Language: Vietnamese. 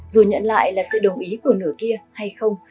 dù nhận lại là sự đồng ý của nửa kia hay không